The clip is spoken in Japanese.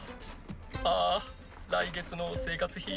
ああ来月の生活費。